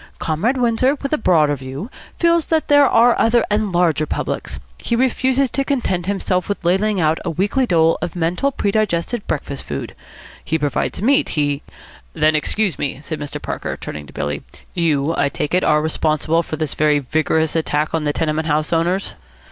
Comrade Windsor, with a broader view, feels that there are other and larger publics. He refuses to content himself with ladling out a weekly dole of mental predigested breakfast food. He provides meat. He " "Then excuse me " said Mr. Parker, turning to Billy, "You, I take it, are responsible for this very vigorous attack on the tenement house owners?"